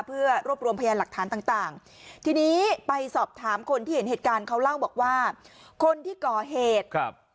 เพื่อรวบรวมพยานหลักฐานต่างต่างทีนี้ไปสอบถามคนที่เห็นเหตุการณ์เขาเล่าบอกว่าคนที่ก่อเหตุครับ